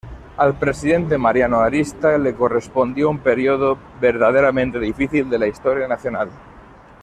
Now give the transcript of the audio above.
Al presidente Mariano Arista le correspondió un periodo verdaderamente difícil de la historia nacional.